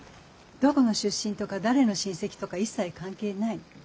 どこの出身とか誰の親戚とか一切関係ない。